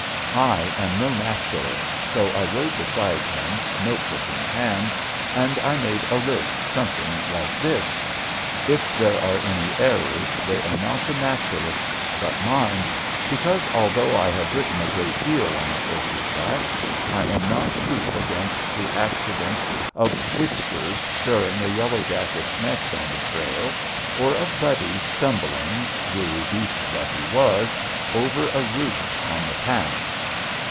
I am no naturalist, so I rode behind him, notebook in hand, and I made a list something like this. If there are any errors they are not the naturalist's, but mine, because, although I have written a great deal on a horse's back, I am not proof against the accident of Whiskers stirring a yellow jackets' nest on the trail, or of Buddy stumbling, weary beast that he was, over a root on the path.